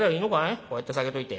こうやって下げといて。